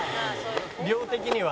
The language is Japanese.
「量的には」